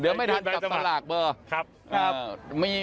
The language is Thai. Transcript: เดี๋ยวไม่ทันกับสลากเบอร์